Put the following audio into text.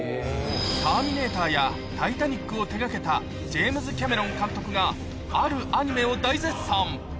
ターミネーターやタイタニックを手がけた、ジェームズ・キャメロン監督があるアニメを大絶賛。